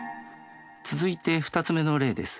続いて２つ目の例です。